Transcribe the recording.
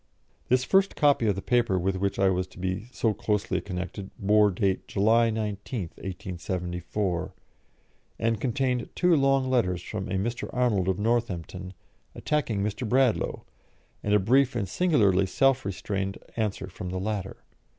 This first copy of the paper with which I was to be so closely connected bore date July 19, 1874, and contained two long letters from a Mr. Arnold of Northampton, attacking Mr. Bradlaugh, and a brief and singularly self restrained answer from the latter.